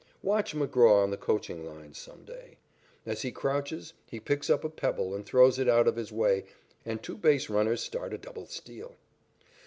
Watch McGraw on the coaching lines some day. As he crouches, he picks up a pebble and throws it out of his way, and two base runners start a double steal.